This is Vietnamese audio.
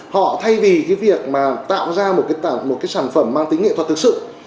họ thay vì cái việc mà tạo ra một cái sản phẩm mang tính nghệ thuật thực sự